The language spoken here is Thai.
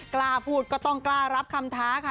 กล้าพูดก็ต้องกล้ารับคำท้าค่ะ